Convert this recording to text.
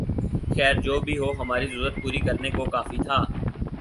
خیر جو بھی ہو ہماری ضرورت پوری کرنے کو کافی تھا